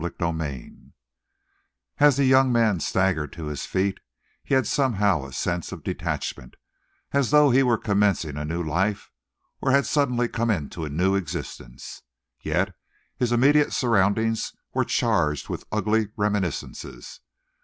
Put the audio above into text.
CHAPTER III As the young man staggered to his feet, he had somehow a sense of detachment, as though he were commencing a new life, or had suddenly come into a new existence. Yet his immediate surroundings were charged with ugly reminiscences.